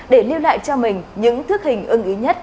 để lưu lại cho mình những thước hình ưng ý nhất